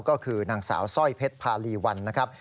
ก็คือนางสาวสร้อยเพชรพารีวันนะครับ